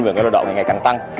về các loạt động ngày càng tăng